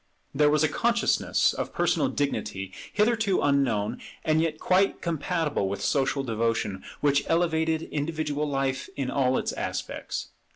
There was a consciousness of personal dignity hitherto unknown, and yet quite compatible with social devotion, which elevated individual life in all its aspects.